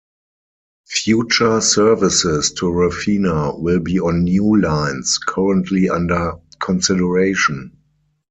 Future services to Rafina will be on new lines, currently under consideration.